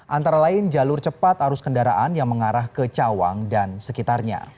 antara lain jalur cepat arus kendaraan yang mengarah ke cawang dan sekitarnya